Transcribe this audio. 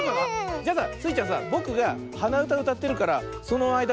じゃあさスイちゃんさぼくがはなうたうたってるからそのあいだにこれはめて。